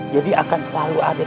jadi akan selalu ada